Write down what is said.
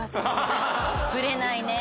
ぶれないね。